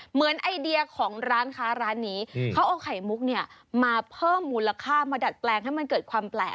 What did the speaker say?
เหมือนไอเดียของร้านค้าร้านนี้เขาเอาไข่มุกเนี่ยมาเพิ่มมูลค่ามาดัดแปลงให้มันเกิดความแปลก